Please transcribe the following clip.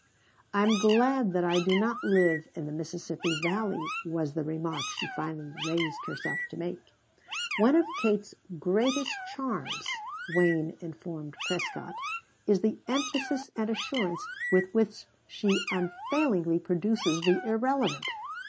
"I am glad that I do not live in the Mississippi Valley," was the remark she finally raised herself to make. "One of Kate's greatest charms," Wayne informed Prescott, "is the emphasis and assurance with which she unfailingly produces the irrelevant.